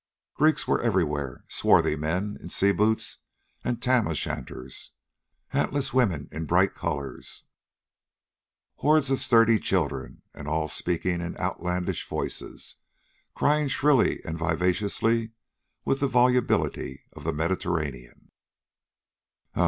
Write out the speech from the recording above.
Greeks were everywhere swarthy men in sea boots and tam o' shanters, hatless women in bright colors, hordes of sturdy children, and all speaking in outlandish voices, crying shrilly and vivaciously with the volubility of the Mediterranean.